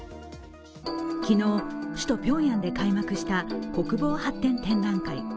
昨日、首都ピョンヤンで開幕した国防発展展覧会。